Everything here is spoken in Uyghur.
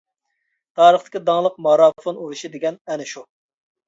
تارىختىكى داڭلىق مارافون ئۇرۇشى دېگەن ئەنە شۇ.